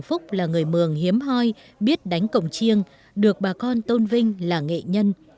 cụ phúc là người mường hiếm hoi biết đánh cổng chiêng được bà con tôn vinh là nghệ nhân